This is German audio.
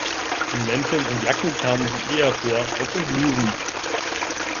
In Mänteln und Jacken kamen sie eher vor als in Blusen.